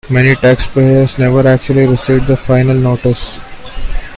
Many taxpayers never actually receive the final notice.